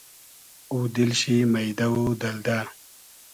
اوو دیل شی مݷدۂ و دئلدۂ